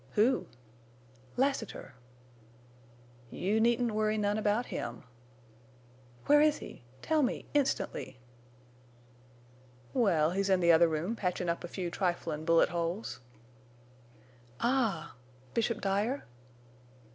"Who?" "Lassiter!" "You needn't worry none about him." "Where is he? Tell me—instantly." "Wal, he's in the other room patchin' up a few triflin' bullet holes." _"Ah!... Bishop' Dyer?"